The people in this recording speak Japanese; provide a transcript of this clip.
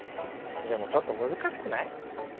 でもちょっと難しくない？